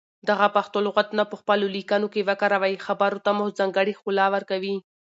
دغه پښتو لغتونه په خپلو ليکنو کې وکاروئ خبرو ته مو ځانګړې ښکلا ورکوي.